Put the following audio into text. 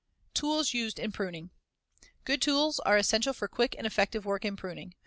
TOOLS USED IN PRUNING Good tools are essential for quick and effective work in pruning.